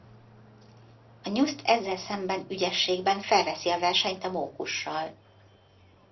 A nyuszt ezzel szemben ügyességben felveszi a versenyt a mókussal.